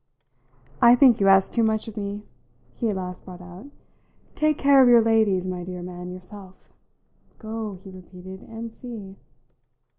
"I think you ask too much of me," he at last brought out. "Take care of your ladies, my dear man, yourself! Go," he repeated, "and see."